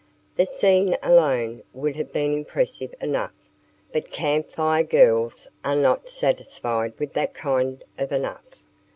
The scene alone would have been impressive enough, but Camp Fire Girls are not satisfied with that kind of "enough."